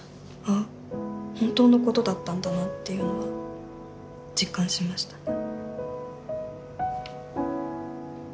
本当のことだったんだなっていうのは実感しましたね。